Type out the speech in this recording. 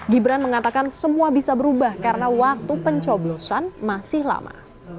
gibran mengatakan semua bisa berubah karena waktu pencoblosan masih lama